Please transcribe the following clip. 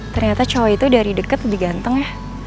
ternyata cowok itu dari deket lebih ganteng ya